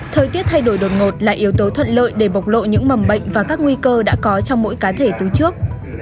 thời tiết thay đổi đột ngột là yếu tố thuận lợi để bộc lộ những mầm bệnh và các nguy cơ đã có trong mỗi cá thể từ trước